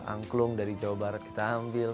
angklung dari jawa barat kita ambil